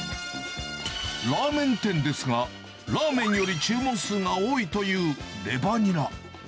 ラーメン店ですが、ラーメンより注文数が多いというレバニラ。